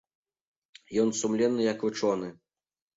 Ён сумленны як вучоны.